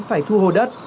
phải thu hồi đất